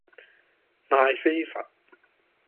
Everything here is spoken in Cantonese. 賣飛佛